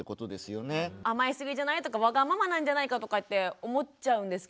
甘えすぎじゃない？とかわがままなんじゃないかとかって思っちゃうんですけど。